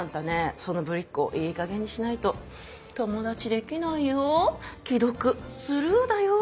そのブリっ子いいかげんにしないと友達できないよ既読スルーだよ。